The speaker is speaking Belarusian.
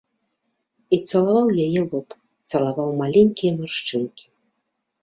І цалаваў яе лоб, цалаваў маленькія маршчынкі.